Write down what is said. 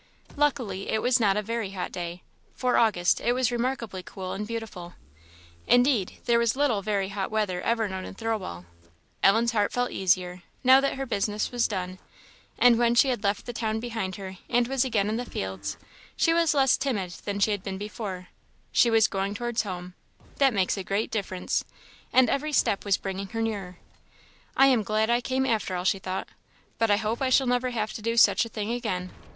Luckily it was not a very hot day; for August, it was remarkably cool and beautiful; indeed, there was little very hot weather ever known in Thirlwall. Ellen's heart felt easier, now that her business was done; and when she had left the town behind her, and was again in the fields, she was less timid than she had been before; she was going towards home; that makes a great difference; and every step was bringing her nearer. "I am glad I came, after all," she thought; "but I hope I shall never have to do such a thing again.